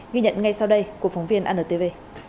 ghi nhận ngay sau đây của phóng viên anntv